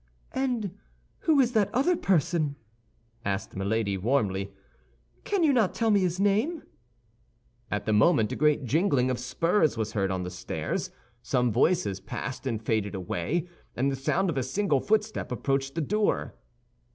"And who is that other person?" asked Milady, warmly. "Can you not tell me his name?" At the moment a great jingling of spurs was heard on the stairs. Some voices passed and faded away, and the sound of a single footstep approached the door.